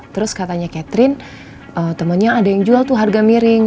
terus katanya catherine temennya ada yang jual tuh harga miring